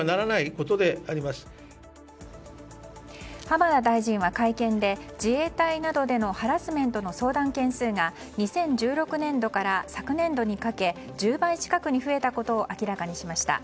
浜田大臣は会見で自衛隊などでのハラスメントの相談件数が２０１６年度から昨年度にかけ１０倍近くに増えたことを明らかにしました。